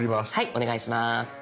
お願いします。